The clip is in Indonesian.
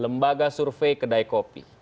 lembaga survei kedai kopi